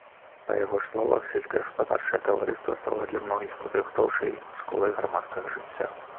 Па яго ж словах, сельскагаспадарчае таварыства стала для многіх падрыхтоўчай школай грамадскага жыцця.